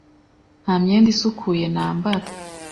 Nta myenda isukuye nambara.